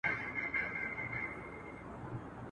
دریم یار په ځان مغرور نوم یې دولت وو.